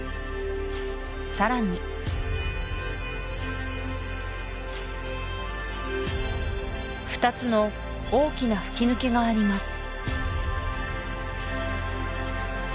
さらに２つの大きな吹き抜けがあります